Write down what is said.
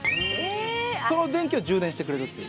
その電気を充電してくれるっていう。